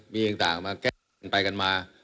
มีอย่างต่างมาแก้ไปกันมา